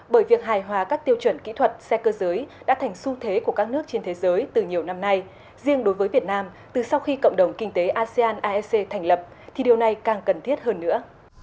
bởi việc hài hòa các tiêu chuẩn kỹ thuật xe cơ giới đã thành xu thế của các nước trên thế giới từ nhiều năm nay riêng đối với việt nam từ sau khi cộng đồng kinh tế asean aec thành lập thì điều này càng cần thiết hơn nữa